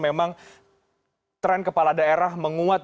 memang tren kepala daerah menguat